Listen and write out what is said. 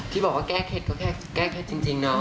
ที่บอกว่าแก้เคล็ดก็แค่แก้เคล็ดจริงเนาะ